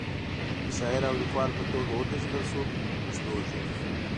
د شاعر او لیکوال په توګه وپیژندل شو په پښتو ژبه.